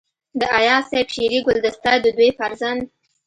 د اياز صيب شعري ګلدسته دَ دوي فرزند